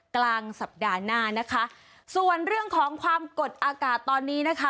กลางสัปดาห์หน้านะคะส่วนเรื่องของความกดอากาศตอนนี้นะคะ